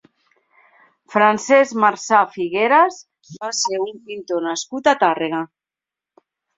Francesc Marsà Figueras va ser un pintor nascut a Tàrrega.